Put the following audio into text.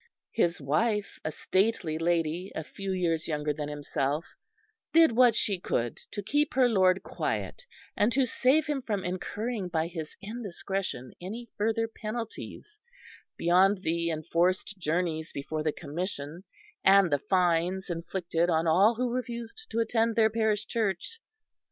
His wife, a stately lady, a few years younger than himself, did what she could to keep her lord quiet, and to save him from incurring by his indiscretion any further penalties beyond the enforced journeys before the Commission, and the fines inflicted on all who refused to attend their parish church.